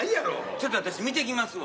ちょっと私見てきますわ。